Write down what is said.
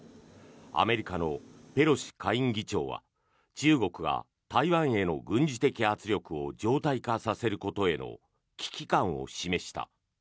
アメリカのペロシ下院議長は中国が台湾への軍事的圧力を常態化させることへの危機感を示した。